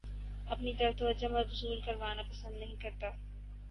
اپنی طرف توجہ مبذول کروانا پسند نہیں کرتا